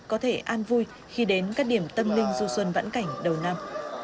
có thể an vui khi đến các điểm tâm linh du xuân vãn cảnh đầu năm